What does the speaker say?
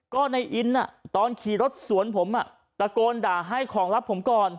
ก็ในอินตอนขี่รถสวนผมตะโกนด่าให้ของรับผมก่อน